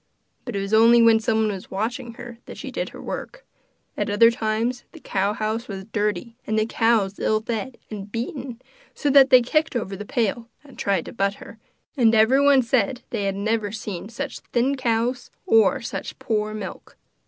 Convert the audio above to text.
But it was only when someone was watching her that she did her work; at other times the cow house was dirty, and the cows ill fed and beaten, so that they kicked over the pail, and tried to butt her; and everyone said they had never seen such thin cows or such poor milk.